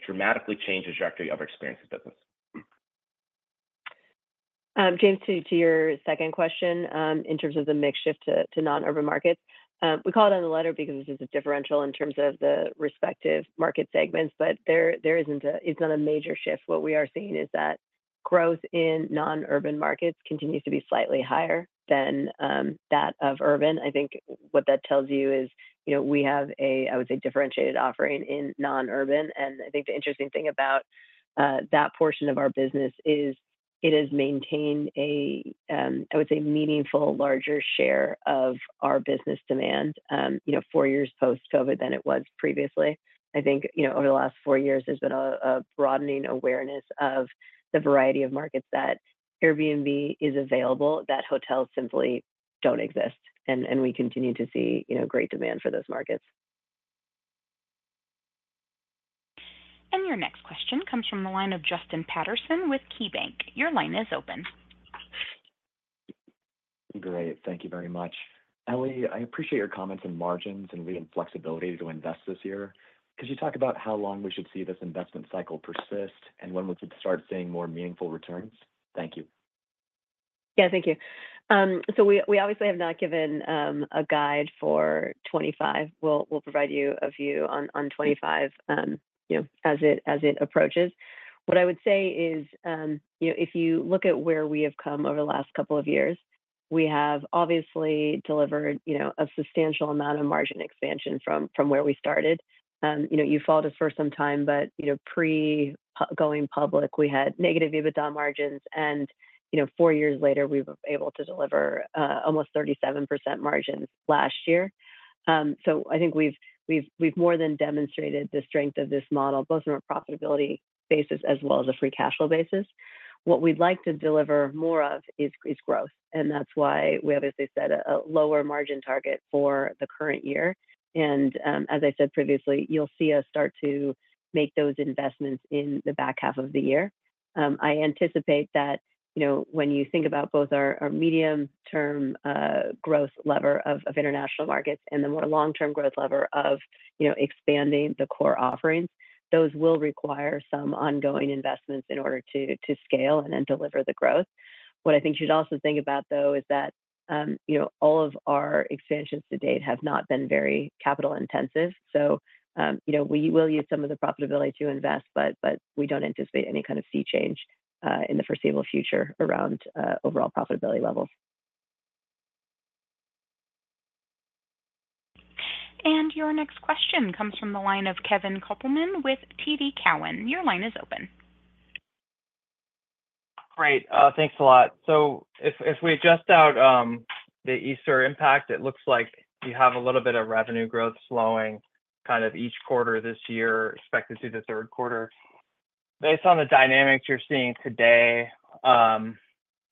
dramatically change the trajectory of our Experiences business.
James, to your second question in terms of the mix shift to non-urban markets, we call it on the letter because this is a differential in terms of the respective market segments, but there isn't a major shift. What we are seeing is that growth in non-urban markets continues to be slightly higher than that of urban. I think what that tells you is, you know, we have a, I would say, differentiated offering in non-urban. And I think the interesting thing about that portion of our business is it has maintained a, I would say, meaningful larger share of our business demand, you know, four years post-COVID than it was previously. I think, you know, over the last four years, there's been a broadening awareness of the variety of markets that Airbnb is available that hotels simply don't exist. We continue to see, you know, great demand for those markets.
Your next question comes from the line of Justin Patterson with KeyBanc. Your line is open.
Great. Thank you very much. Ellie, I appreciate your comments on margins and flexibility to invest this year. Could you talk about how long we should see this investment cycle persist and when we could start seeing more meaningful returns? Thank you.
Yeah, thank you. So we obviously have not given a guide for 2025. We'll provide you a view on 2025, you know, as it approaches. What I would say is, you know, if you look at where we have come over the last couple of years, we have obviously delivered, you know, a substantial amount of margin expansion from where we started. You know, you've followed us for some time, but, you know, pre-going public, we had negative EBITDA margins. And, you know, four years later, we were able to deliver almost 37% margin last year. So I think we've more than demonstrated the strength of this model, both from a profitability basis as well as a free cash flow basis. What we'd like to deliver more of is growth. And that's why we obviously set a lower margin target for the current year. As I said previously, you'll see us start to make those investments in the back half of the year. I anticipate that, you know, when you think about both our medium-term growth lever of international markets and the more long-term growth lever of, you know, expanding the core offerings, those will require some ongoing investments in order to scale and then deliver the growth. What I think you should also think about, though, is that, you know, all of our expansions to date have not been very capital intensive. So, you know, we will use some of the profitability to invest, but we don't anticipate any kind of sea change in the foreseeable future around overall profitability levels.
Your next question comes from the line of Kevin Kopelman with TD Cowen. Your line is open.
Great. Thanks a lot. So if we adjust out the Easter impact, it looks like you have a little bit of revenue growth slowing kind of each quarter this year, expected through the third quarter. Based on the dynamics you're seeing today, do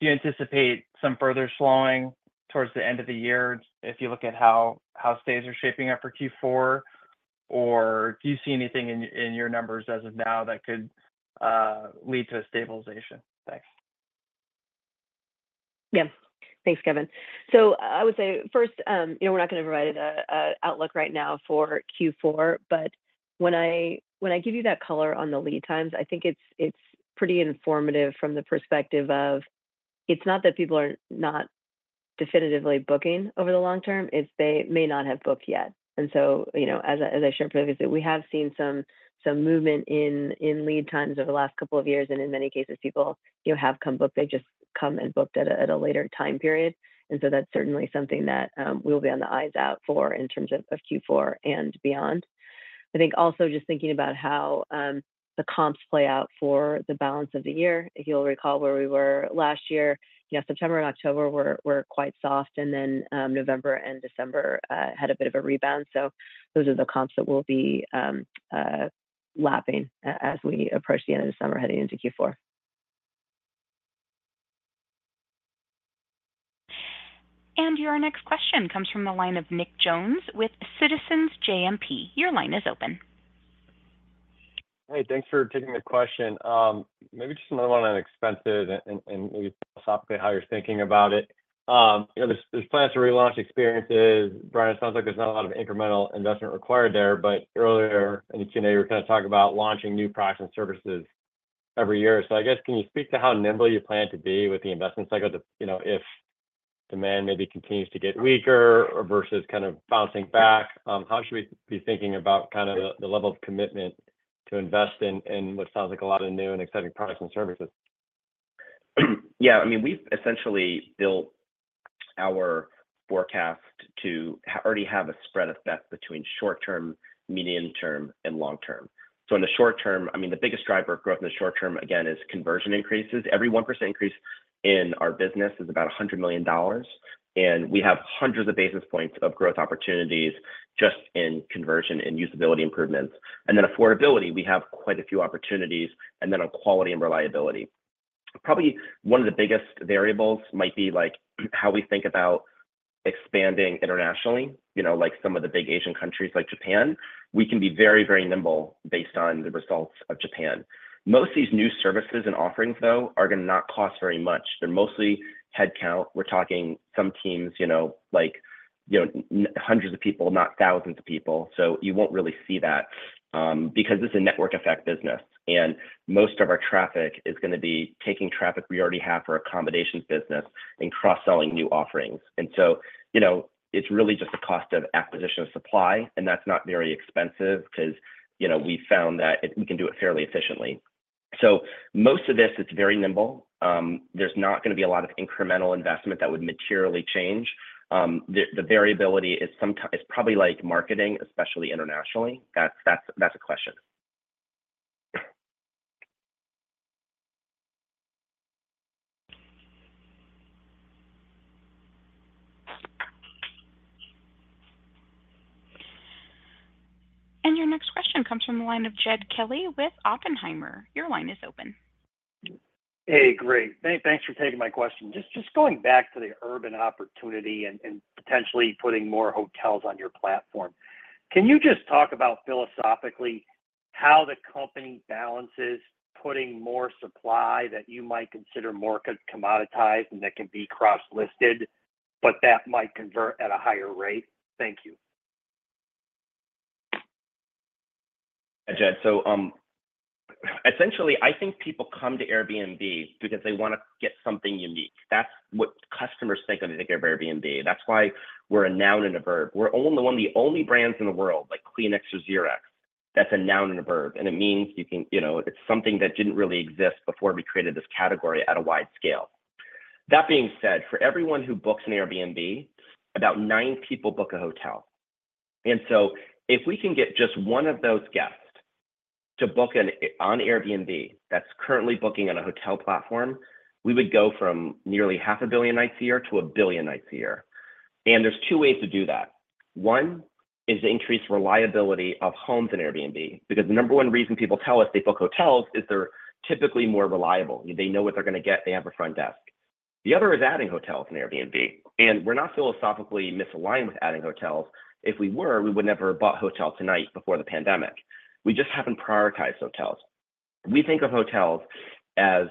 you anticipate some further slowing towards the end of the year if you look at how stays are shaping up for Q4? Or do you see anything in your numbers as of now that could lead to a stabilization? Thanks.
Yeah. Thanks, Kevin. So I would say first, you know, we're not going to provide an outlook right now for Q4, but when I give you that color on the lead times, I think it's pretty informative from the perspective of it's not that people are not definitively booking over the long term, it's they may not have booked yet. And so, you know, as I shared previously, we have seen some movement in lead times over the last couple of years. And in many cases, people, you know, have come booked. They've just come and booked at a later time period. And so that's certainly something that we'll be keeping an eye out for in terms of Q4 and beyond. I think also just thinking about how the comps play out for the balance of the year. If you'll recall where we were last year, you know, September and October were quite soft, and then November and December had a bit of a rebound. So those are the comps that we'll be lapping as we approach the end of December heading into Q4.
Your next question comes from the line of Nick Jones with Citizens JMP. Your line is open.
Hey, thanks for taking the question. Maybe just another one on expenses and maybe philosophically how you're thinking about it. You know, there's plans to relaunch Experiences. Brian, it sounds like there's not a lot of incremental investment required there, but earlier in the Q&A, we were kind of talking about launching new products and services every year. So I guess, can you speak to how nimble you plan to be with the investment cycle, you know, if demand maybe continues to get weaker or versus kind of bouncing back? How should we be thinking about kind of the level of commitment to invest in what sounds like a lot of new and exciting products and services?
Yeah, I mean, we've essentially built our forecast to already have a spread of bets between short term, medium term, and long term. So in the short term, I mean, the biggest driver of growth in the short term, again, is conversion increases. Every 1% increase in our business is about $100 million. And we have hundreds of basis points of growth opportunities just in conversion and usability improvements. And then affordability, we have quite a few opportunities. And then on quality and reliability, probably one of the biggest variables might be like how we think about expanding internationally, you know, like some of the big Asian countries like Japan. We can be very, very nimble based on the results of Japan. Most of these new services and offerings, though, are going to not cost very much. They're mostly headcount. We're talking some teams, you know, like, you know, hundreds of people, not thousands of people. So you won't really see that because this is a network effect business. And most of our traffic is going to be taking traffic we already have for accommodation business and cross-selling new offerings. And so, you know, it's really just a cost of acquisition of supply. And that's not very expensive because, you know, we found that we can do it fairly efficiently. So most of this, it's very nimble. There's not going to be a lot of incremental investment that would materially change. The variability is probably like marketing, especially internationally. That's a question.
Your next question comes from the line of Jed Kelly with Oppenheimer. Your line is open.
Hey, great. Thanks for taking my question. Just going back to the urban opportunity and potentially putting more hotels on your platform, can you just talk about philosophically how the company balances putting more supply that you might consider more commoditized and that can be cross-listed, but that might convert at a higher rate? Thank you.
Jed, so essentially, I think people come to Airbnb because they want to get something unique. That's what customers say going to take Airbnb. That's why we're a noun and a verb. We're the only brands in the world, like Kleenex or Xerox, that's a noun and a verb. And it means you can, you know, it's something that didn't really exist before we created this category at a wide scale. That being said, for everyone who books an Airbnb, about nine people book a hotel. And so if we can get just one of those guests to book on Airbnb that's currently booking on a hotel platform, we would go from nearly 500 million nights a year to 1 billion nights a year. And there's two ways to do that. One is to increase reliability of homes on Airbnb because the number one reason people tell us they book hotels is they're typically more reliable. They know what they're going to get. They have a front desk. The other is adding hotels on Airbnb. And we're not philosophically misaligned with adding hotels. If we were, we would never have bought HotelTonight before the pandemic. We just haven't prioritized hotels. We think of hotels as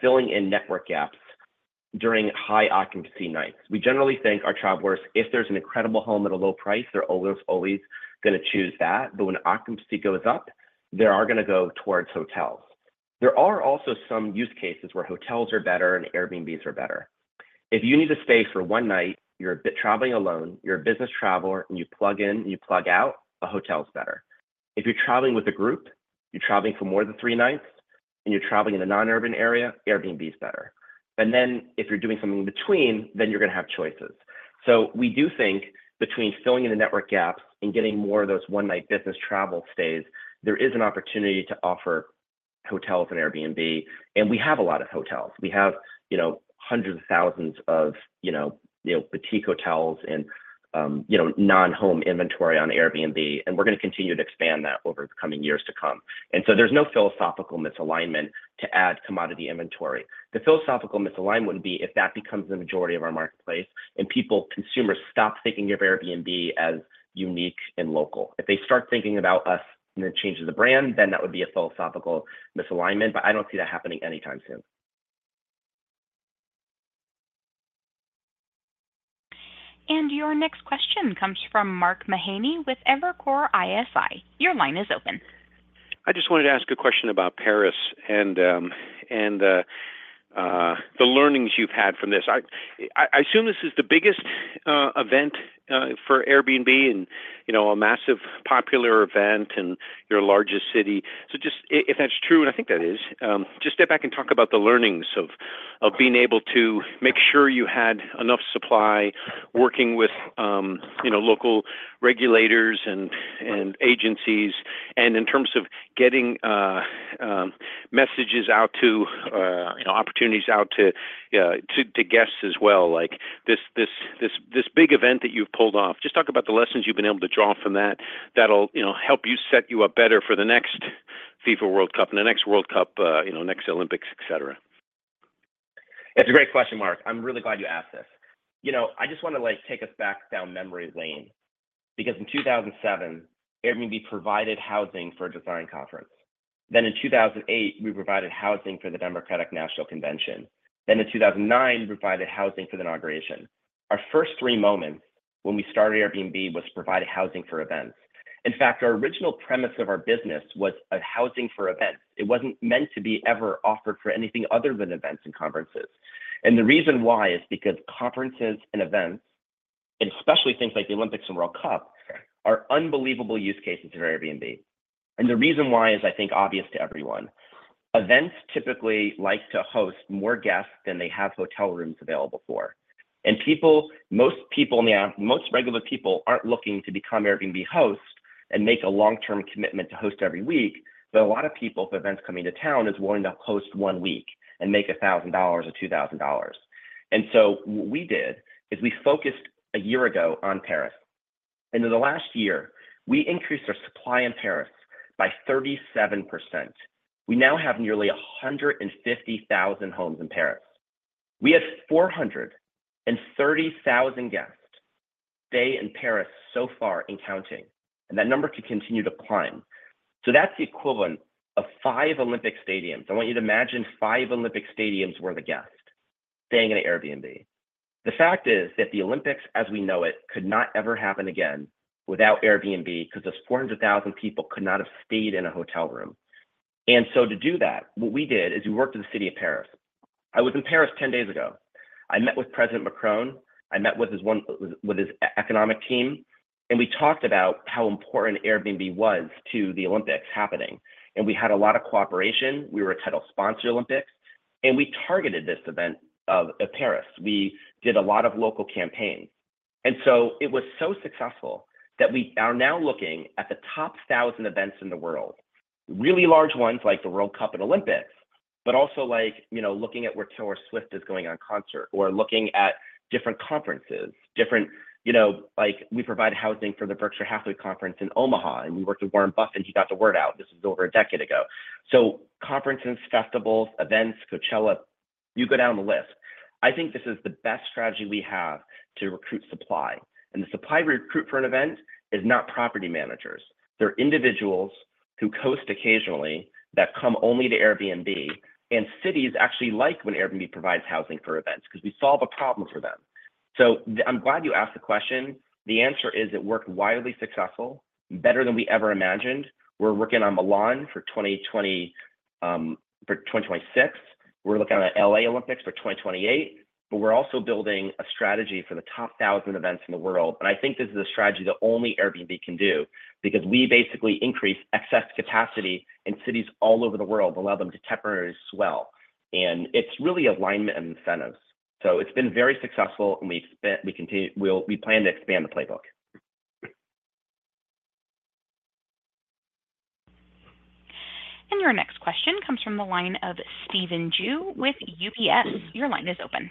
filling in network gaps during high occupancy nights. We generally think our job works. If there's an incredible home at a low price, they're always going to choose that. But when occupancy goes up, they are going to go towards hotels. There are also some use cases where hotels are better and Airbnbs are better. If you need to stay for one night, you're traveling alone, you're a business traveler, and you plug in and you plug out, a hotel is better. If you're traveling with a group, you're traveling for more than three nights, and you're traveling in a non-urban area, Airbnb is better. And then if you're doing something in between, then you're going to have choices. So we do think between filling in the network gap and getting more of those one-night business travel stays, there is an opportunity to offer hotels on Airbnb. And we have a lot of hotels. We have, you know, hundreds of thousands of, you know, boutique hotels and, you know, non-home inventory on Airbnb. And we're going to continue to expand that over the coming years to come. And so there's no philosophical misalignment to add commodity inventory. The philosophical misalignment would be if that becomes the majority of our marketplace and people, consumers, stop thinking of Airbnb as unique and local. If they start thinking about us and it changes the brand, then that would be a philosophical misalignment. But I don't see that happening anytime soon.
Your next question comes from Mark Mahaney with Evercore ISI. Your line is open.
I just wanted to ask a question about Paris and the learnings you've had from this. I assume this is the biggest event for Airbnb and, you know, a massive popular event in your largest city. So just if that's true, and I think that is, just step back and talk about the learnings of being able to make sure you had enough supply working with, you know, local regulators and agencies. And in terms of getting messages out to, you know, opportunities out to guests as well, like this big event that you've pulled off, just talk about the lessons you've been able to draw from that. That'll, you know, help you set you up better for the next FIFA World Cup and the next World Cup, you know, next Olympics, et cetera.
That's a great question, Mark. I'm really glad you asked this. You know, I just want to like take us back down memory lane because in 2007, Airbnb provided housing for a design conference. Then in 2008, we provided housing for the Democratic National Convention. Then in 2009, we provided housing for the inauguration. Our first three moments when we started Airbnb was to provide housing for events. In fact, our original premise of our business was housing for events. It wasn't meant to be ever offered for anything other than events and conferences. And the reason why is because conferences and events, and especially things like the Olympics and World Cup, are unbelievable use cases for Airbnb. And the reason why is, I think, obvious to everyone. Events typically like to host more guests than they have hotel rooms available for. People, most people, most regular people aren't looking to become Airbnb hosts and make a long-term commitment to host every week. A lot of people, if events come into town, are willing to host one week and make $1,000 or $2,000. What we did is we focused a year ago on Paris. In the last year, we increased our supply in Paris by 37%. We now have nearly 150,000 homes in Paris. We have 430,000 guests stay in Paris so far and counting. That number could continue to climb. That's the equivalent of 5 Olympic stadiums. I want you to imagine 5 Olympic stadiums worth of guests staying at Airbnb. The fact is that the Olympics, as we know it, could not ever happen again without Airbnb because those 400,000 people could not have stayed in a hotel room. To do that, what we did is we worked with the city of Paris. I was in Paris 10 days ago. I met with President Macron. I met with his economic team. And we talked about how important Airbnb was to the Olympics happening. And we had a lot of cooperation. We were a title sponsor of the Olympics. And we targeted this event of Paris. We did a lot of local campaign. And so it was so successful that we are now looking at the top 1,000 events in the world, really large ones like the World Cup and Olympics, but also like, you know, looking at where Taylor Swift is going on concert or looking at different conferences, different, you know, like we provide housing for the Berkshire Hathaway Conference in Omaha. And we worked with Warren Buffett. He got the word out. This was over a decade ago. So conferences, festivals, events, Coachella, you go down the list. I think this is the best strategy we have to recruit supply. And the supply we recruit for an event is not property managers. They're individuals who host occasionally that come only to Airbnb. And cities actually like when Airbnb provides housing for events because we solve a problem for them. So I'm glad you asked the question. The answer is it worked wildly successful, better than we ever imagined. We're working on Milan for 2026. We're looking at L.A. Olympics for 2028. But we're also building a strategy for the top 1,000 events in the world. But I think this is a strategy that only Airbnb can do because we basically increase excess capacity in cities all over the world, allow them to temporarily swell. And it's really alignment and incentives. It's been very successful. We plan to expand the playbook.
Your next question comes from the line of Stephen Ju with UBS. Your line is open.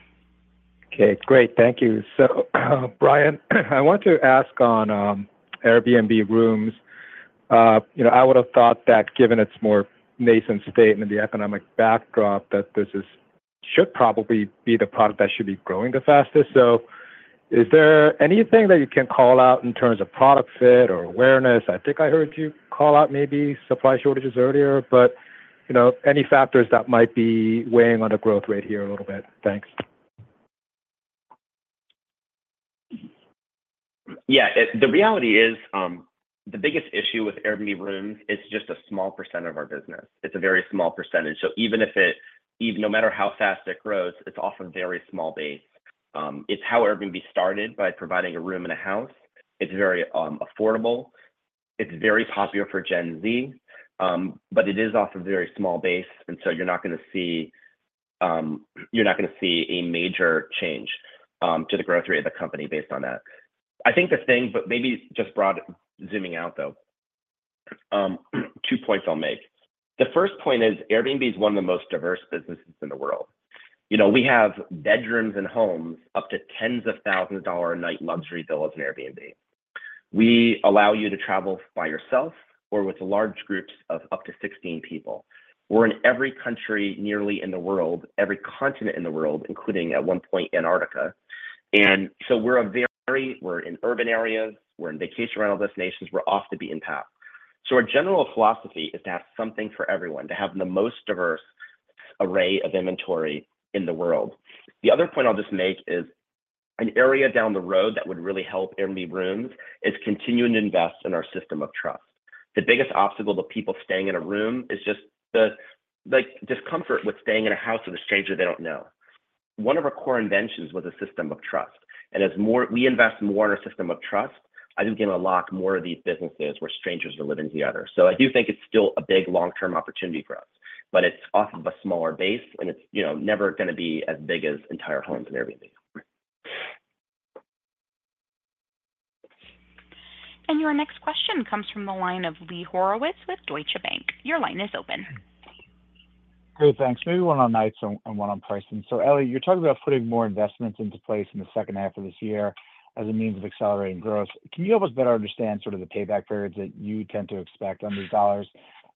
Okay, great. Thank you. So Brian, I want to ask on Airbnb Rooms. You know, I would have thought that given its more nascent state and the economic backdrop, that this should probably be the product that should be growing the fastest. So is there anything that you can call out in terms of product fit or awareness? I think I heard you call out maybe supply shortages earlier, but, you know, any factors that might be weighing on the growth rate here a little bit? Thanks.
Yeah, the reality is the biggest issue with Airbnb Rooms is just a small percent of our business. It's a very small percentage. So even if it, no matter how fast it grows, it's often very small based. It's how Airbnb started by providing a room in a house. It's very affordable. It's very popular for Gen Z. But it is often very small based. And so you're not going to see, you're not going to see a major change to the growth rate of the company based on that. I think the thing, but maybe just broad zooming out, though, two points I'll make. The first point is Airbnb is one of the most diverse businesses in the world. You know, we have bedrooms and homes, up to tens of thousands of dollars a night luxury villa at Airbnb. We allow you to travel by yourself or with large groups of up to 16 people. We're in every country nearly in the world, every continent in the world, including at one point Antarctica. And so we're a very, we're in urban areas. We're in vacation rental destinations. We're off the beaten path. So our general philosophy is to have something for everyone, to have the most diverse array of inventory in the world. The other point I'll just make is an area down the road that would really help Airbnb Rooms is continuing to invest in our system of trust. The biggest obstacle to people staying in a room is just the, like, discomfort with staying in a house with a stranger they don't know. One of our core inventions was a system of trust. As we invest more in our system of trust, I think we're going to lock more of these businesses where strangers are living together. So I do think it's still a big long-term opportunity for us. But it's often of a smaller base. And it's, you know, never going to be as big as entire homes in Airbnb.
Your next question comes from the line of Lee Horowitz with Deutsche Bank. Your line is open.
Great. Thanks. Maybe one on nights and one on pricing. So, Ellie, you're talking about putting more investments into place in the second half of this year as a means of accelerating growth. Can you help us better understand sort of the payback periods that you tend to expect on these dollars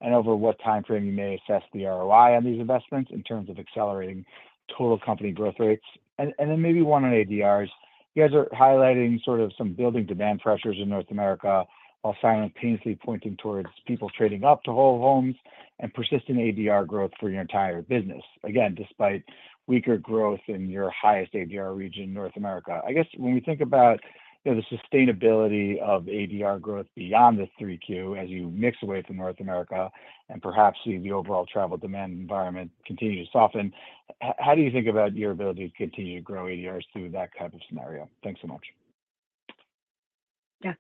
and over what time frame you may assess the ROI on these investments in terms of accelerating total company growth rates? And then maybe one on ADRs. You guys are highlighting sort of some building demand pressures in North America while simultaneously pointing towards people trading up to whole homes and persistent ADR growth for your entire business, again, despite weaker growth in your highest ADR region, North America. I guess when we think about, you know, the sustainability of ADR growth beyond the 3Q as you mix away from North America and perhaps see the overall travel demand environment continue to soften, how do you think about your ability to continue to grow ADRs through that type of scenario? Thanks so much.
Yeah.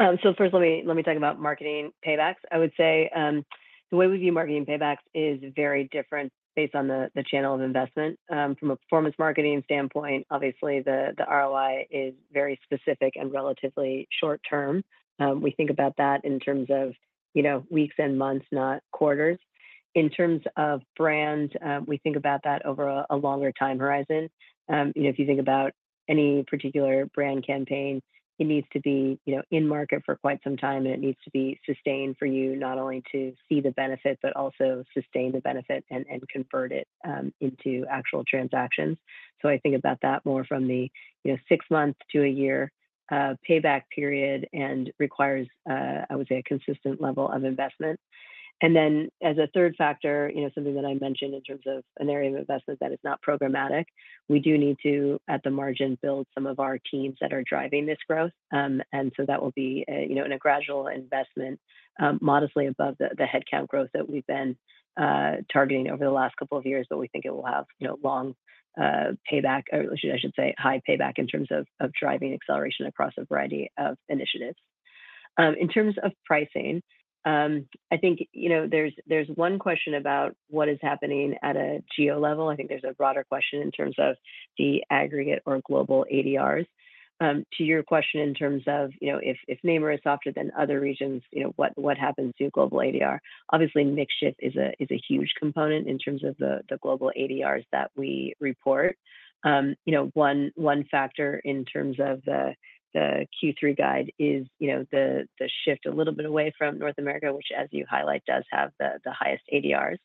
So first, let me talk about marketing paybacks. I would say the way we view marketing paybacks is very different based on the channel of investment. From a performance marketing standpoint, obviously, the ROI is very specific and relatively short term. We think about that in terms of, you know, weeks and months, not quarters. In terms of brand, we think about that over a longer time horizon. You know, if you think about any particular brand campaign, it needs to be, you know, in market for quite some time. And it needs to be sustained for you, not only to see the benefit, but also sustain the benefit and convert it into actual transactions. So I think about that more from the, you know, six months to a year payback period and requires, I would say, a consistent level of investment. And then as a third factor, you know, something that I mentioned in terms of an area of investment that is not programmatic, we do need to, at the margin, build some of our teams that are driving this growth. And so that will be, you know, in a gradual investment, modestly above the headcount growth that we've been targeting over the last couple of years. But we think it will have, you know, long payback, or I should say high payback in terms of driving acceleration across a variety of initiatives. In terms of pricing, I think, you know, there's one question about what is happening at a geo level. I think there's a broader question in terms of the aggregate or global ADRs. To your question in terms of, you know, if NAMR is softer than other regions, you know, what happens to global ADR? Obviously, mix shift is a huge component in terms of the global ADRs that we report. You know, one factor in terms of the Q3 guide is, you know, the shift a little bit away from North America, which, as you highlight, does have the highest ADRs.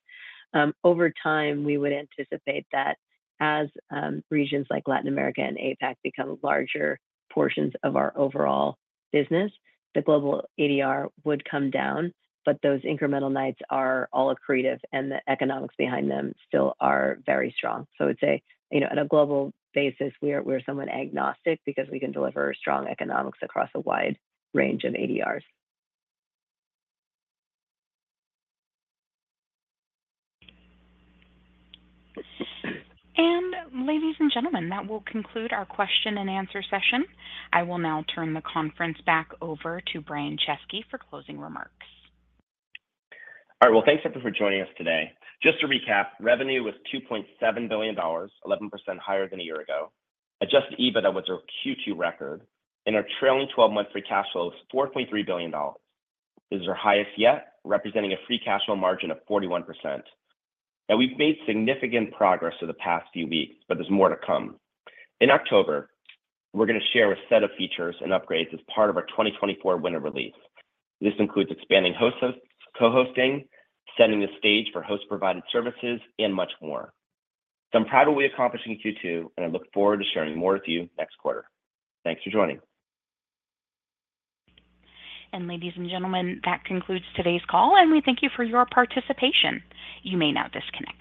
Over time, we would anticipate that as regions like Latin America and APAC become larger portions of our overall business, the global ADR would come down. But those incremental nights are all accretive. And the economics behind them still are very strong. So I would say, you know, on a global basis, we're somewhat agnostic because we can deliver strong economics across a wide range of ADRs.
Ladies and gentlemen, that will conclude our question and answer session. I will now turn the conference back over to Brian Chesky for closing remarks.
All right. Well, thanks, everyone, for joining us today. Just to recap, revenue was $2.7 billion, 11% higher than a year ago. Adjusted EBITDA was our Q2 record. And our trailing 12-month free cash flow was $4.3 billion. This is our highest yet, representing a free cash flow margin of 41%. Now, we've made significant progress over the past few weeks, but there's more to come. In October, we're going to share a set of features and upgrades as part of 2024 Winter Release. this includes expanding Co-hosting, setting the stage for host-provided services, and much more. So I'm proud we're accomplishing Q2, and I look forward to sharing more with you next quarter. Thanks for joining.
Ladies and gentlemen, that concludes today's call. We thank you for your participation. You may now disconnect.